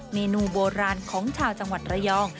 เมนูโบราณของชาวจังหวัดระยอง